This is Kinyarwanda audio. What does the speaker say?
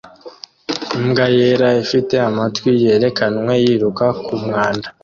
Imbwa yera ifite amatwi yerekanwe yiruka kumwanda